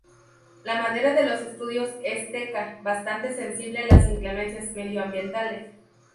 La madera de los estudios es teca, bastante sensible a las inclemencias medioambientales.